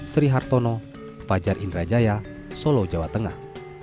sri hartono fajar indrajaya solo jawa tengah